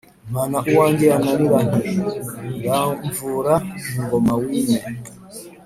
mpana uwange yananira nti: “ramvura ingoma wime!”